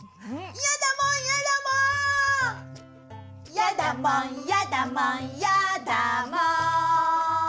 やだもんやだもんやだもん。